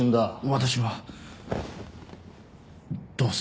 私はどうすれば。